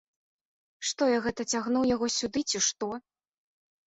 Што, я гэта цягнуў яго сюды, ці што?